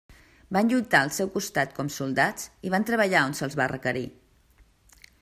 Van lluitar al seu costat com soldats i van treballar on se'ls va requerir.